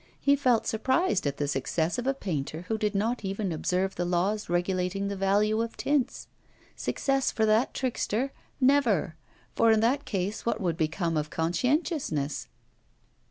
He felt surprised at the success of a painter who did not even observe the laws regulating the value of tints. Success for that trickster! Never! For in that case what would become of conscientiousness?